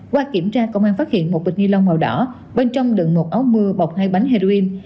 qua kiểm tra công an phát hiện một bịch ni lông màu đỏ bên trong đựng một áo mưa bọc hai bánh heroin